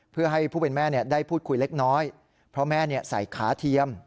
เพื่อให้ผู้เป็นแม่ได้พูดคุยเล็กน้อยเพราะแม่ใส่ขาเทียม